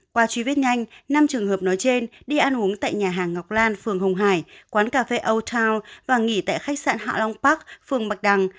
qua truy vết nhanh năm trường hợp nói trên đi ăn uống tại nhà hàng ngọc lan phường hồng hải quán cà phê âu town và nghỉ tại khách sạn hạ long park phường bạch đằng